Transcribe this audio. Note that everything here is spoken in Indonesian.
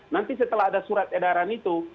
nanti setelah ada surat edaran itu